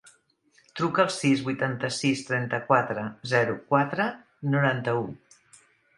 Truca al sis, vuitanta-sis, trenta-quatre, zero, quatre, noranta-u.